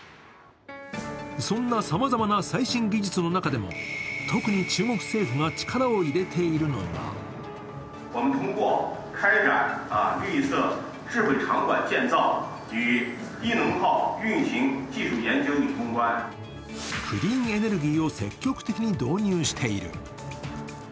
そんなさまざまな最新技術の中でも特に中国政府が力を入れているのがクリーンエネルギーを積極的に導入している。